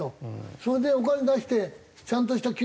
それでお金出してちゃんとした給料払って。